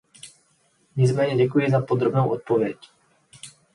Nicméně děkuji za podrobnou odpověď.